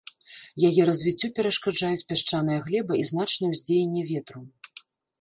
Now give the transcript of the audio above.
Яе развіццю перашкаджаюць пясчаная глеба і значнае ўздзеянне ветру.